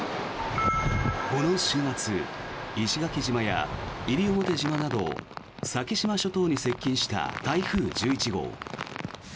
この週末、石垣島や西表島など先島諸島に接近した台風１１号。